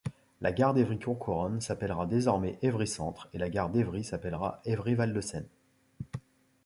La gare d'Évry-Courcouronnes s'appellera désormais Évry-Centre et la gare d'Évry s'appellera Évry-Val-de-Seine.